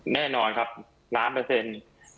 แน่นอนครับล้านเปอร์เซ็นต์